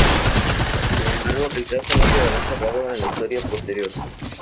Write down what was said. Sin embargo, el caso no quedará cerrado en la historia posterior.